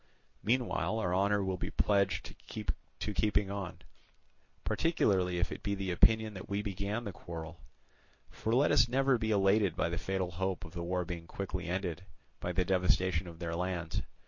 Meanwhile our honour will be pledged to keeping on, particularly if it be the opinion that we began the quarrel. For let us never be elated by the fatal hope of the war being quickly ended by the devastation of their lands.